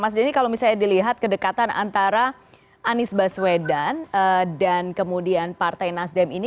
mas denny kalau misalnya dilihat kedekatan antara anies baswedan dan kemudian partai nasdem ini